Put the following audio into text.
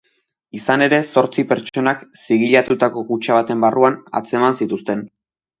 Izan ere, zortzi pertsonak zigilatutako kutxa baten barruan atzeman zituzten.